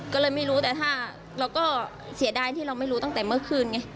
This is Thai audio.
ก็เลยไม่รู้แต่ถ้าเราก็เสียดายที่เราไม่รู้ตั้งแต่เมื่อคืนไง